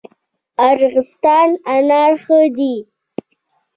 ارغستان انار ښه دي؟